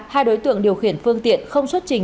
hai đối tượng điều khiển phương tiện không xuất trình